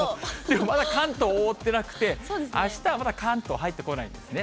まだ関東、覆ってなくて、あしたはまだ関東入ってこないんですね。